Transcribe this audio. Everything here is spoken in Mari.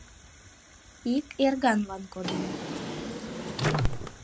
— Ик эрганлан коденыт.